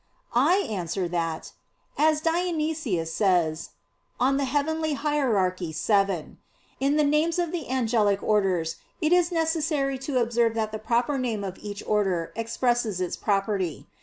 I answer that, As Dionysius says (Coel. Hier. vii), in the names of the angelic orders it is necessary to observe that the proper name of each order expresses its property.